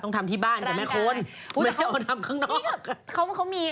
ต้องทำที่บ้านกับแม่คนไม่ต้องทำข้างนอก